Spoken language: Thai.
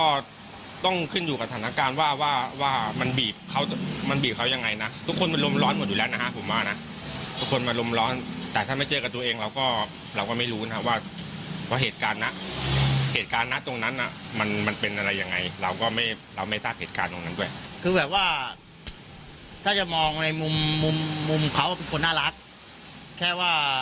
ก็ต้องขึ้นอยู่กับสถานการณ์ว่าว่ามันบีบเขามันบีบเขายังไงนะทุกคนมันลมร้อนหมดอยู่แล้วนะฮะผมว่านะทุกคนอารมณ์ร้อนแต่ถ้าไม่เจอกับตัวเองเราก็เราก็ไม่รู้นะครับว่าเพราะเหตุการณ์นะเหตุการณ์นะตรงนั้นน่ะมันมันเป็นอะไรยังไงเราก็ไม่เราไม่ทราบเหตุการณ์ตรงนั้นด้วยคือแบบว่าถ้าจะมองในมุมมุมเขาเป็นคนน่ารักแค่ว่า